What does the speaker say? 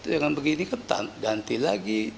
dengan begini kan ganti lagi